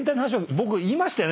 僕言いましたよね？